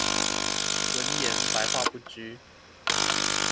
文言、白話不拘